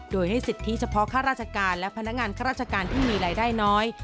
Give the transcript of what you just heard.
โดยให้สิทธิเฉพาะข้าราชการและพนักงานข้าราชการที่มีรายได้น้อย